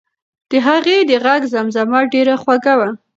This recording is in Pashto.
د هغې د غږ زمزمه ډېره خوږه وه.